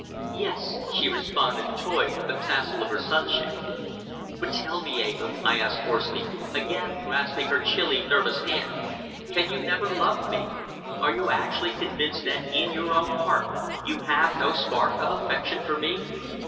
"Yes," she responded, toying with the tassel of her sunshade. "But tell me, Eva," I asked hoarsely, again grasping her chilly, nervous hand, "can you never love me? Are you actually convinced that in your own heart you have no spark of affection for me?"